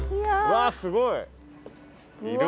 わっすごい！